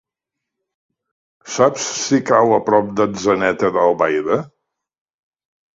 Saps si cau a prop d'Atzeneta d'Albaida?